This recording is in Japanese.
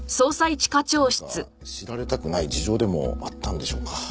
何か知られたくない事情でもあったんでしょうか。